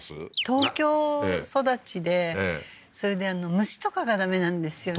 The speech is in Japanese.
東京育ちでそれで虫とかがダメなんですよね